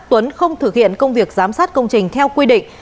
tuấn không thực hiện công việc giám sát công trình theo quy định